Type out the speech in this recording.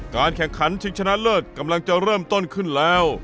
การแข่งขันชิงชนะเลิศกำลังจะเริ่มต้นขึ้นแล้ว